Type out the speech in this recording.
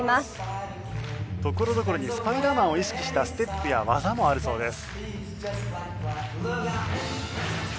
所々にスパイダーマンを意識したステップや技もあるそうです。